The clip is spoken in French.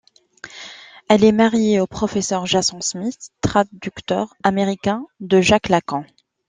Elle est mariée au professeur Jason Smith, traducteur américain de Jacques Lacan.